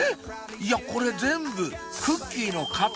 いやこれ全部クッキーの型！